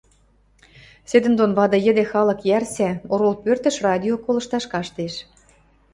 Седӹндон вады йӹде халык йӓрсӓ, орол пӧртӹш радио колышташ каштеш...